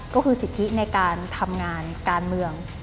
ก็คือสิทธิในการทำงานการเมือง